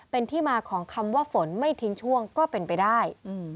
เป็นที่มาของคำว่าฝนไม่ทิ้งช่วงก็เป็นไปได้